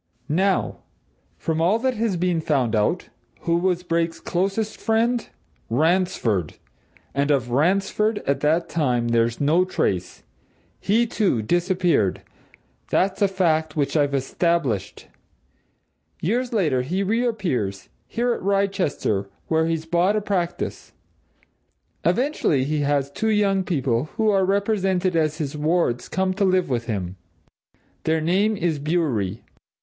Now, from all that has been found out, who was Brake's closest friend? Ransford! And of Ransford, at that time, there's no trace. He, too, disappeared that's a fact which I've established. Years later, he reappears here at Wrychester, where he's bought a practice. Eventually he has two young people, who are represented as his wards, come to live with him. Their name is Bewery.